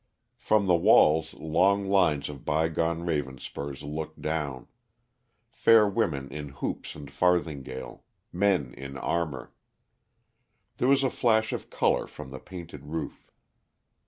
From the walls long lines of bygone Ravenspurs looked down fair women in hoops and farthingale, men in armor. There was a flash of color from the painted roof.